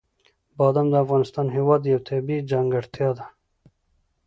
بادام د افغانستان هېواد یوه طبیعي ځانګړتیا ده.